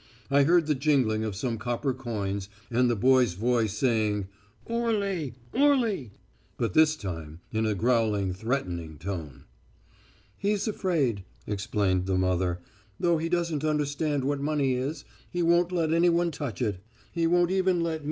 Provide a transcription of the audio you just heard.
I heard the jingling of some copper coins and the boy's voice saying oorli, oorli, but this time in a growling, threatening tone. "'He's afraid,' explained the mother; 'though he doesn't understand what money is, he won't let anyone touch it ... he won't even let me....